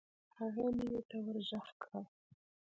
هغه مينې ته ورږغ کړه.